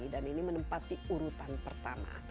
dan ini menempati urutan pertama